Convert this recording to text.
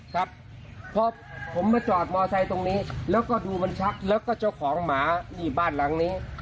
ครับพอผมมาจอดมอไซค์ตรงนี้แล้วก็ดูมันชักแล้วก็เจ้าของหมาที่บ้านหลังนี้